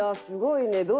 すごいね。